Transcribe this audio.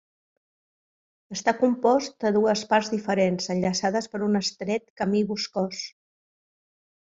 Està compost de dues parts diferents, enllaçades per un estret camí boscós.